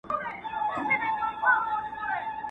خورک په خپله خوښه، کالي د بل په خوښه.